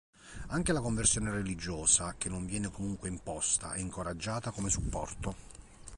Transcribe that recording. Anche la conversione religiosa, che non viene comunque imposta, è incoraggiata come supporto.